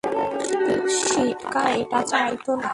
সিটকা এটা চাইত না।